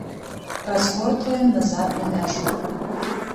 Разгортваем назад на мяжу.